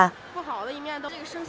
con rồng là một con giáp huyền thần